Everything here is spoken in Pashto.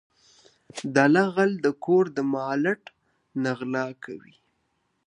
دله غل د کور مالت نه غلا کوي .